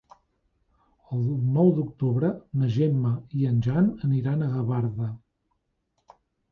El nou d'octubre na Gemma i en Jan aniran a Gavarda.